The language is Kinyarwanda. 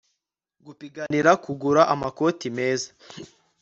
gupiganira kugura amakoti meza